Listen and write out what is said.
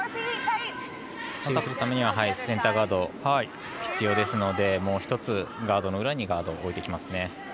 スチールするためにはセンターガードが必要ですのでもう１つ、ガードの裏にガードを置いてきますね。